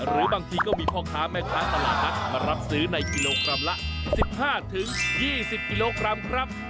หรือบางทีก็มีพ่อค้าแม่ค้าตลาดนัดมารับซื้อในกิโลกรัมละ๑๕๒๐กิโลกรัมครับ